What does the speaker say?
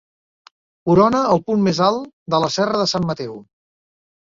Corona el punt més alt de la serra de Sant Mateu.